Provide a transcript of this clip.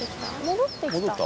戻ってきた。